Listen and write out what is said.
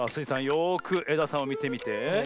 よくえださんをみてみて。